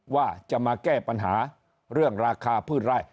ว่าจะมาแก้ปัญหาเรื่องราคาพืชไร่